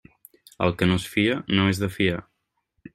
El que no es fia, no és de fiar.